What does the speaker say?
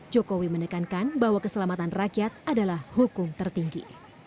jokowi menekankan bahwa keselamatan rakyat adalah hukum tertinggi